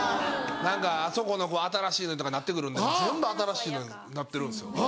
「あそこの子新しいの」とかになってくるんで全部新しいのになってるんですよ。